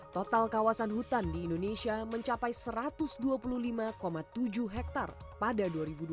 total kawasan hutan di indonesia mencapai satu ratus dua puluh lima tujuh hektare pada dua ribu dua puluh